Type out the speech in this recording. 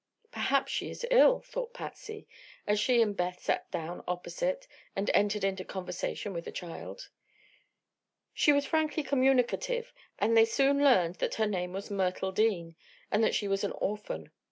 "Perhaps she is ill," thought Patsy, as she and Beth sat down opposite and entered into conversation with the child. She was frankly communicative and they soon learned that her name was Myrtle Dean, and that she was an orphan.